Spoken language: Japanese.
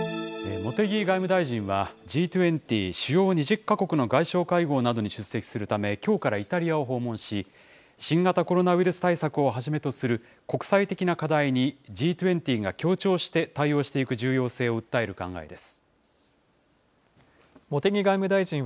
茂木外務大臣はＧ２０・主要２０か国の外相会合などに出席するため、きょうからイタリアを訪問し、新型コロナウイルス対策をはじめとする国際的な課題にＧ２０が協調して対応していく重要性を訴える考えです。